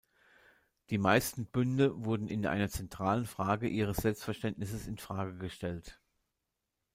Die meisten Bünde wurden in einer zentralen Frage ihres Selbstverständnisses in Frage gestellt.